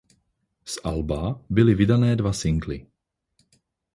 Z alba byly vydané dva singly.